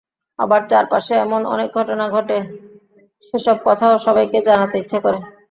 আবার চারপাশে এমন অনেক ঘটনা ঘটে, সেসব কথাও সবাইকে জানাতে ইচ্ছে করে।